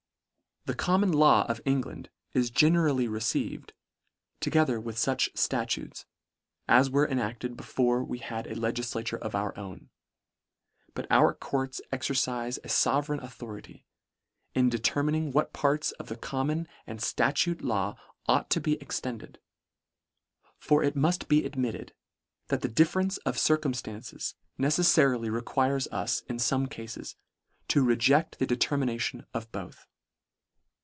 The common law of England is gene rally received, together with fuch Statutes, as were enacted before we had a legislature of our own ; but our courts exercile a fove reign authority, in determining what parts of the common and Statute law ought to be extended : For it muft be admitted, that the difference ofcircumSfancesnecelfarily requires us, in fome cases, to reject the determinati on of both.